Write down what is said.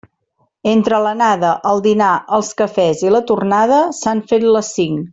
Entre l'anada, el dinar, els cafès i la tornada s'han fet les cinc.